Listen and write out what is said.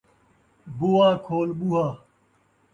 بوا، کھول ٻوہا